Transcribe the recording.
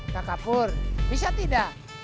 kakak pur bisa tidak